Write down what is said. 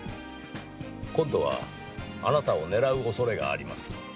今度はあなたを狙う恐れがあります。